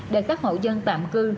để các hộ dân tạm cư